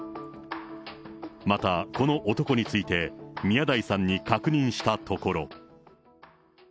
また、この男について、宮台さんに確認したところ。